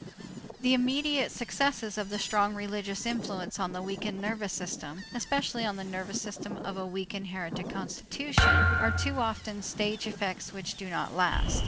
The immediate successes of the strong religious influence on the weakened nervous system, especially on the nervous system of a weak inherited constitution, are too often stage effects which do not last.